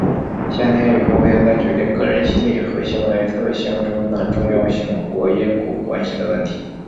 先天与后天在决定个人心理和行为特性中的重要性或因果关系的问题。